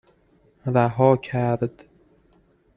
رها کرد